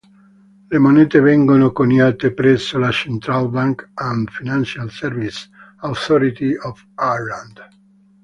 Le monete vengono coniate presso la Central Bank and Financial Services Authority of Ireland.